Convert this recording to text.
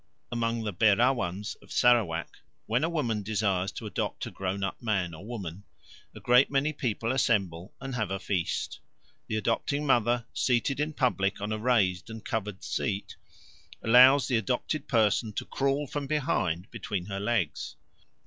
Among the Berawans of Sarawak, when a woman desires to adopt a grownup man or woman, a great many people assemble and have a feast. The adopting mother, seated in public on a raised and covered seat, allows the adopted person to crawl from behind between her legs.